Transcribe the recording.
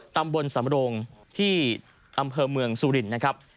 ตำบลสำรงที่อำเภอเมืองสุรินทร์นะครับ